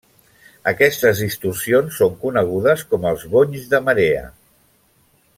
Aquestes distorsions són conegudes com els bonys de marea.